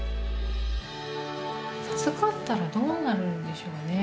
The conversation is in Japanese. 授かったらどうなるんでしょうね。